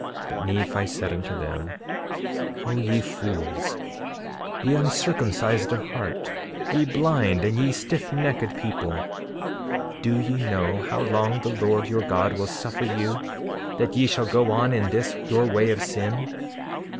9:21 But Nephi said unto them: O ye fools, ye uncircumcised of heart, ye blind, and ye stiffnecked people, do ye know how long the Lord your God will suffer you that ye shall go on in this your way of sin?